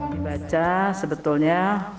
dibaca sebetulnya fokusnya cukup